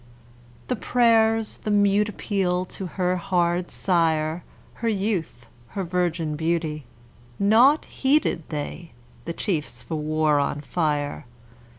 The prayers, the mute appeal to her hard sire, Her youth, her virgin beauty, Naught heeded they, the chiefs for war on fire.